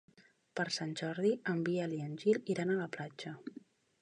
Per Sant Jordi en Biel i en Gil iran a la platja.